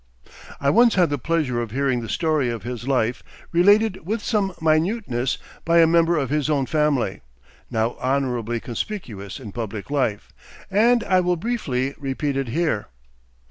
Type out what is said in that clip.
I once had the pleasure of hearing the story of his life related with some minuteness by a member of his own family, now honorably conspicuous in public life, and I will briefly repeat it here.